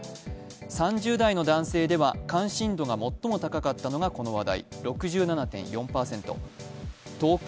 ３０代の男性では関心度が最も高かったのがこの話題。